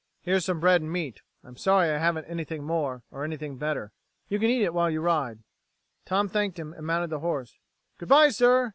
"Here's some bread and meat. I'm sorry I haven't anything more, or anything better. You can eat it while you ride." Tom thanked him and mounted the horse. "Good by, sir.